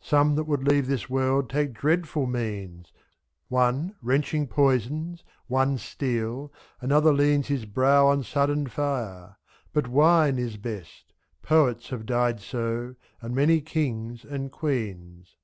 Some that would leave this world take dreadful means One wrenching poisons, one steel, another leans 25'. His brow on sudden fire; but wine is best — Poets have died so, and many kings and queens.